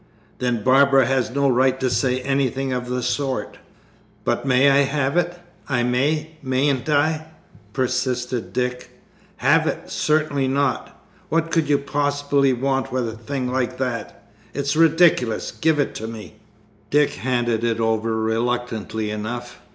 "Then Barbara had no right to say anything of the sort." "But may I have it? I may, mayn't I?" persisted Dick. "Have it? certainly not. What could you possibly want with a thing like that? It's ridiculous. Give it to me." Dick handed it over reluctantly enough.